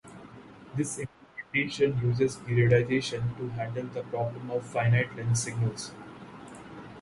This implementation uses periodization to handle the problem of finite length signals.